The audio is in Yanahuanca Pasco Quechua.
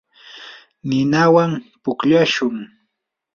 ninawan pukllashun.